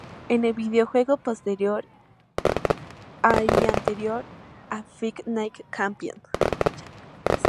Es el videojuego posterior a y anterior a Fight Night Champion.